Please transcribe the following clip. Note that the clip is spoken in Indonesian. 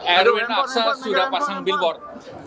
erwin aksa sudah pasang billboard